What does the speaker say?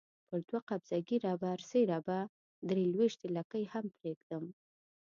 پر دوه قبضه ږیره برسېره به درې لويشتې لکۍ هم پرېږدم.